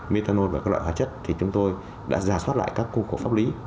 methanol và các loại hóa chất thì chúng tôi đã giả soát lại các khu vực pháp lý